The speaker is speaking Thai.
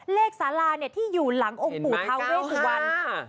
เลขสาลาที่อยู่หลังองค์ปู่เทาเลขสุวรรณ